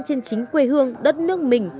trên chính quê hương đất nước mình